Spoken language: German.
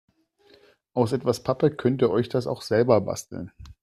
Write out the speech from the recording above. Aus etwas Pappe könnt ihr euch das auch selber basteln.